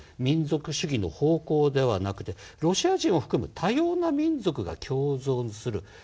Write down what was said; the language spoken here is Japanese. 民族主義の方向ではなくてロシア人を含む多様な民族が共存する。